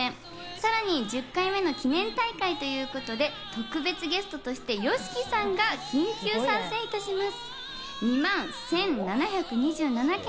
さらに１０回目の記念大会ということで、特別ゲストとしてＹＯＳＨＩＫＩさんが緊急参戦いたします。